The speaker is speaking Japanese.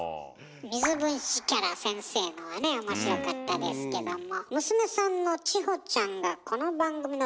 水分子キャラ先生のはね面白かったですけども。